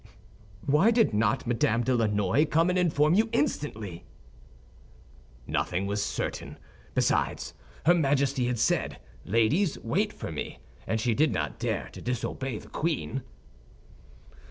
"Why did not Madame de Lannoy come and inform you instantly?" "Nothing was certain; besides, her Majesty had said, 'Ladies, wait for me,' and she did not dare to disobey the queen."